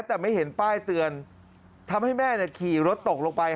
แต่ไม่เห็นป้ายเตือนทำให้แม่ขี่รถตกลงไป